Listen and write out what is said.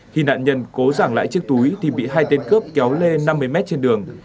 khi nạn nhân cố giảng lại chiếc túi thì bị hai tên cướp kéo lê năm mươi mét trên đường